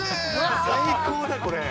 最高だ、これ。